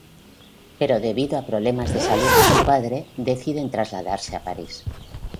Pero debido a problemas de salud de su padre, deciden trasladarse a París.